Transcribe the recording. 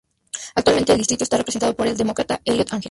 Actualmente el distrito está representado por el Demócrata Eliot Engel.